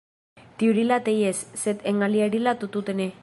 Tiurilate jes, sed en alia rilato tute ne.